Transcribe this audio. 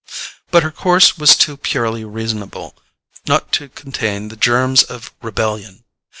But her course was too purely reasonable not to contain the germs of rebellion.